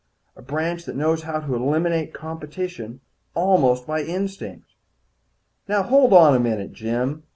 A branch that knows how to eliminate competition almost by instinct." "Now hold on a minute, Jim.